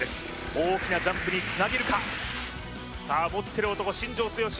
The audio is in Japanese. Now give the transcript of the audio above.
大きなジャンプにつなげるかさあ持ってる男・新庄剛志